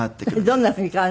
どんなふうに変わるの？